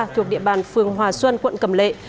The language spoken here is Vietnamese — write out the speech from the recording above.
thuộc địa bàn phường hòa xuân quận cầm lệ